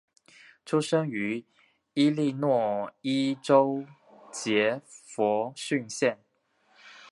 出生于伊利诺伊州杰佛逊县。